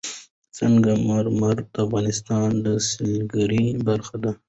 سنگ مرمر د افغانستان د سیلګرۍ برخه ده.